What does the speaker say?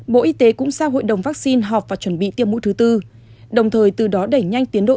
bộ y tế cũng giao hội đồng vaccine họp và chuẩn bị tiêm mũi thứ tư đồng thời từ đó đẩy nhanh tiến độ